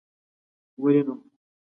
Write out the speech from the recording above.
ولي نه